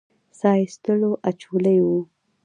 ساه ایستلو اچولي وو.